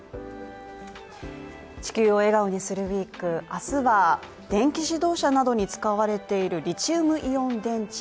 「地球を笑顔にするＷＥＥＫ」明日は、電気自動車などに使われているリチウムイオン電池